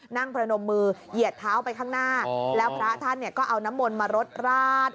ประนมมือเหยียดเท้าไปข้างหน้าแล้วพระท่านเนี่ยก็เอาน้ำมนต์มารดราด